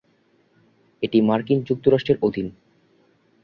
এটি মার্কিন যুক্তরাষ্ট্রের অধীন।